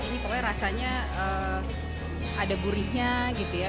ini pokoknya rasanya ada gurihnya gitu ya